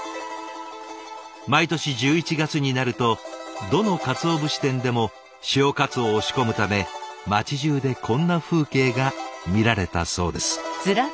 毎年１１月になるとどの鰹節店でも潮かつおを仕込むため町じゅうでこんな風景が見られたそうです。